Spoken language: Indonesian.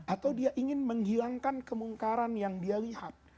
atau dia ingin menghilangkan kemungkaran yang dia lihat